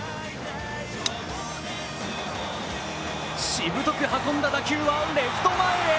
しぶとく運んだ打球はレフト前へ。